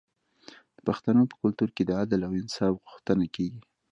د پښتنو په کلتور کې د عدل او انصاف غوښتنه کیږي.